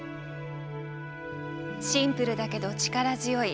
シンプルだけど力強い。